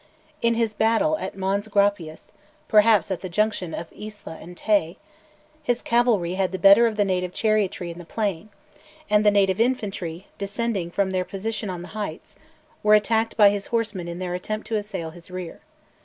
In his battle at Mons Graupius (perhaps at the junction of Isla and Tay), his cavalry had the better of the native chariotry in the plain; and the native infantry, descending from their position on the heights, were attacked by his horsemen in their attempt to assail his rear.